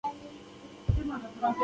مرکه باید یوازې د یوټوبر ګټه نه وي.